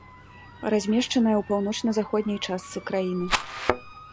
Размешчаная ў паўночна-заходняй частцы краіны.